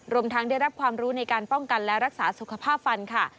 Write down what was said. รวมทั้งได้รับความรู้ในการป้องกันและรักษาสุขภาพฟันค่ะ